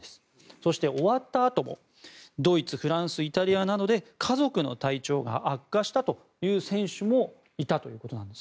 そして終わったあともドイツ、フランス、イタリアなど家族の体調が悪化したという選手もいたということです。